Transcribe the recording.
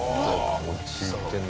落ち着いてるな。